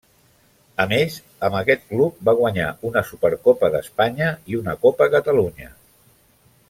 A més amb aquest club va guanyar una Supercopa d'Espanya i una Copa Catalunya.